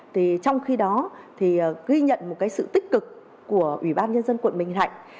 thì trong khi đó thì ghi nhận một cái sự tích cực của ủy ban nhân dân quận bình thạnh